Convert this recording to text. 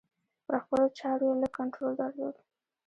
پر خپلو چارو یې لږ کنترول درلود.